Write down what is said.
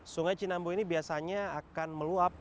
sungai cinambu ini biasanya akan meluap